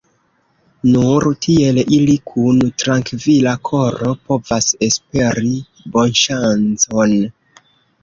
Nur tiel ili kun trankvila koro povas esperi bonŝancon.